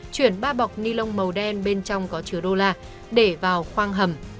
chuyển ba bọc ni lông màu đen bên trong có chứa đô la để vào khoang hầm